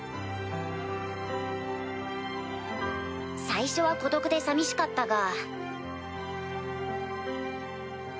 最初は孤独で寂しかったが。